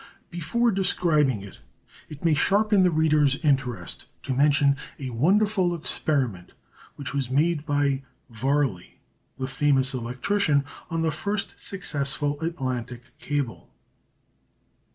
Before describing it, it may sharpen the reader's interest to mention a wonderful experiment which was made by Varley, the famous electrician, on the first successful Atlantic cable.